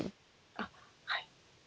あっはい。